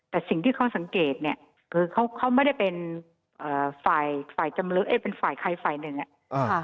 แต่สิ่งที่เขาสังเกตเนี่ยคือเขาไม่ได้เป็นฝ่ายใครฝ่ายหนึ่งเนี่ย